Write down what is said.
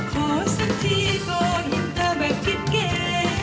ขอสักทีก็ยินเธอแบบกิดเก่ง